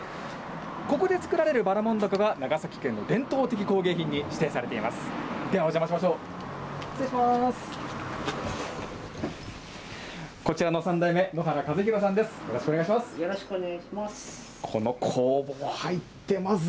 ここで作られたばらもんだこが、長崎県の伝統的工芸品に指定されています。